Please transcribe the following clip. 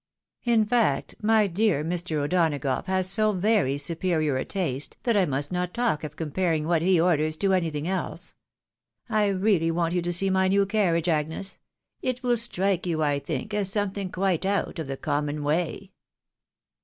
In fact, my dear Mr. O'Donagough has so very superior a taste that I must not talk of comparing what he orders to any thing else ; I really want you to see my new carriage, Agnes — it will strike you, as something quite out of the common way."